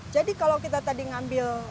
jadi kalau kita tadi ngambil